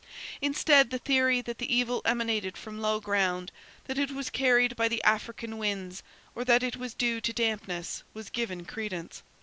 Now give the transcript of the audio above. Instead, the theory that the evil emanated from low ground, that it was carried by the African winds, or that it was due to dampness, was given credence.